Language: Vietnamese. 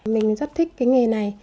mình rất thích cái nghề này